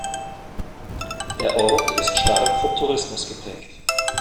Der Ort ist stark vom Tourismus geprägt.